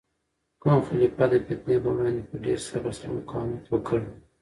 کوم خلیفه د فتنې په وړاندې په ډیر صبر سره مقاومت وکړ؟